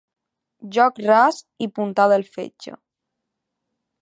Joc ras i puntada al fetge.